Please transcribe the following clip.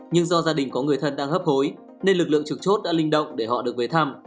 nhưng do gia đình có người thân đang hấp hối nên lực lượng trực chốt đã linh động để họ được về thăm